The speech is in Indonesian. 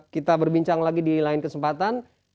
kita berbincang lagi di lain kesempatan